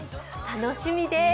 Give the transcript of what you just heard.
楽しみです。